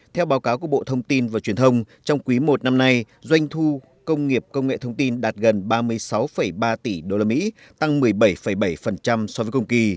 theo báo cáo của bộ thông tin và truyền thông trong quý i năm nay doanh thu công nghiệp công nghệ thông tin đạt gần ba mươi sáu ba tỷ usd tăng một mươi bảy bảy so với công kỳ